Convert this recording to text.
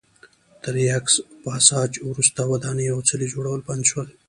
تر یاکس پاساج وروسته ودانۍ او څلي جوړول بند شول.